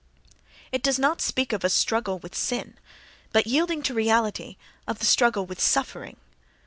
It does not speak of a "struggle with sin," but, yielding to reality, of the "struggle with suffering."